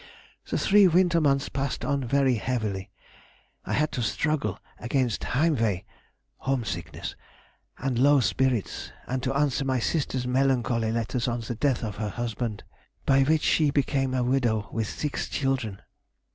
"The three winter months passed on very heavily. I had to struggle against heimweh (home sickness) and low spirits, and to answer my sister's melancholy letters on the death of her husband, by which she became a widow with six children.